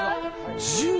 １０？